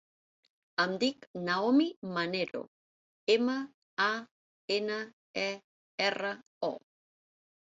Em dic Naomi Manero: ema, a, ena, e, erra, o.